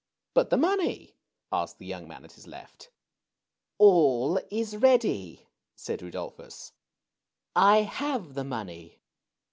But the money?" asked the young man at his left. ''All is ready," said Rudolphus. "1 have the money."